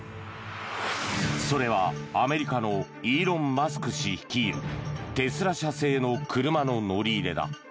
それはアメリカのイーロン・マスク氏率いるテスラ社製の車の乗り入れだ。